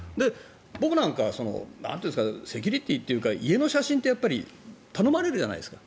僕なんかはセキュリティーというか家の写真って頼まれるじゃないですか。